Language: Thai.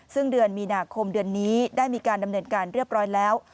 ซึ่งเดือนมีนาคมเดือนนี้ได้มีการดำเนินการเรียบร้อยแล้ว